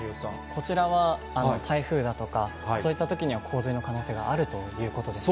こちらは台風だとか、そういったときには洪水の可能性があるということですね。